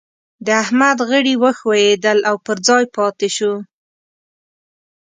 د احمد غړي وښوئېدل او پر ځای پاته شو.